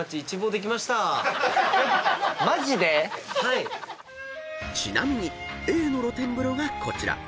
マジで⁉［ちなみにＡの露天風呂がこちら］